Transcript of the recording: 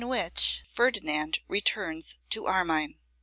Which Ferdinand Returns to Armine.